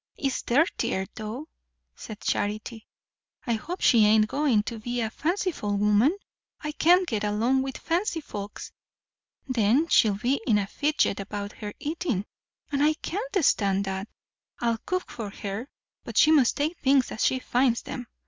"It's dirtier, though," said Charity. "I hope she ain't going to be a fanciful woman. I can't get along with fancy folks. Then she'll be in a fidget about her eating; and I can't stand that. I'll cook for her, but she must take things as she finds them.